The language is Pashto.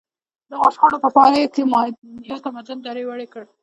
دغو شخړو په پایله کې مایا تمدن دړې وړې کړ.